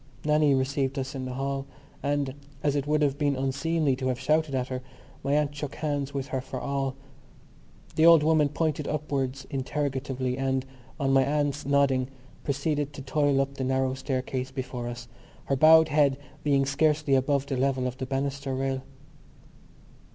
Nannie received us in the hall; and, as it would have been unseemly to have shouted at her, my aunt shook hands with her for all. The old woman pointed upwards interrogatively and, on my aunt's nodding, proceeded to toil up the narrow staircase before us, her bowed head being scarcely above the level of the banister rail.